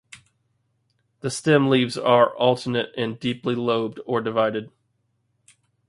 The stem leaves are alternate and deeply lobed or divided.